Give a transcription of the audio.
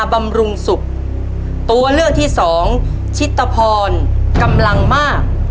บำรุงสุขตัวเลือกที่สองชิตพรกำลังมาก